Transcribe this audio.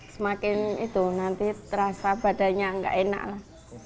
semakin itu nanti terasa badannya nggak enak lah